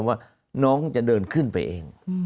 ว่าน้องจะเดินขึ้นไปเอง